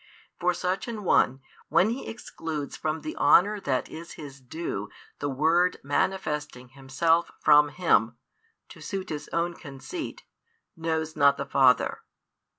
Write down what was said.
For such an one, when he excludes from the honour that is His due the Word manifesting Himself from Him, to suit his own conceit, knows not the Father.